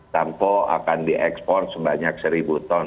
sampo akan diekspor sebanyak seribu ton